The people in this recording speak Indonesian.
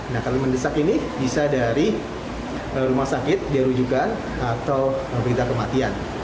nah kalau mendesak ini bisa dari rumah sakit di rujukan atau berita kematian